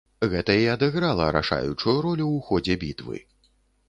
Гэта і адыграла рашаючую ролю ў ходзе бітвы.